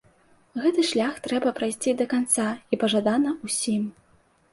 Гэты шлях трэба прайсці да канца і пажадана ўсім.